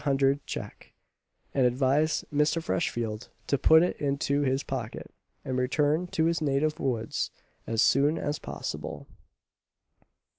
_ "cheque," and advised Mr. Freshfield to put it into his pocket, and return to his native woods as soon as possible.